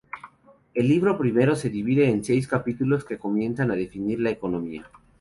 El libro I se divide en seis capítulos que comienzan a definir la economía.